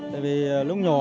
tại vì lúc nhỏ